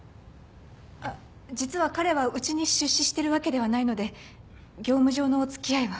あっ実は彼はうちに出資してるわけではないので業務上の付き合いは。